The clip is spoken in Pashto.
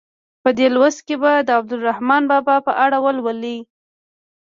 په دې لوست کې به د عبدالرحمان بابا په اړه ولولئ.